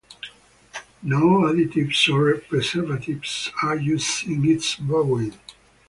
No additives or preservatives are used in its brewing.